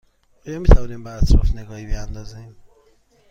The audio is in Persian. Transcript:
آیا می توانیم به اطراف نگاهی بیاندازیم؟